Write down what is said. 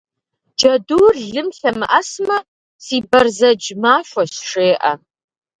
Джэдур лым лъэмыӏэсмэ, си бэрзэдж махуэщ, жеӏэ.